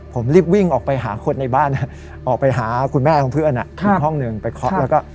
ผมรีบวิ่งออกไปหาคนในบ้านออกไปหาคุณแม่ของเพื่อนอีกห้องหนึ่งไปเคาะแล้วก็